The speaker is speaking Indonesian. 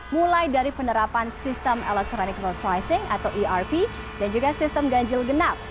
mulai dari penerapan sistem electronic road pricing atau erp dan juga sistem ganjil genap